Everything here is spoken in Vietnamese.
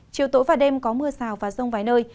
chiều tối và đêm có mưa rào và rông vài nơi